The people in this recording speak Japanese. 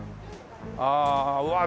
ああうわっ